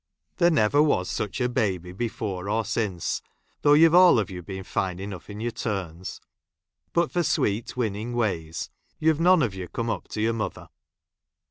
There never was such a baby before or since, though you've all of you been fine enough in your turns ; bitt for sweet winning ways, you've none of you come up to your mother.